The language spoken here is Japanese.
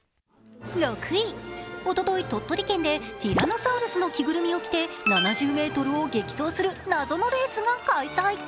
６位、おととい鳥取県でティラノサウルスの着ぐるみを着て７０ｍを激走する謎のレースが開催。